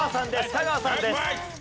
香川さんです。